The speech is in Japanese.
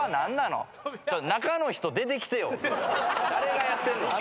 誰がやってんの？